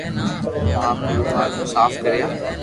ھون آپري رومال مون صاف ڪريا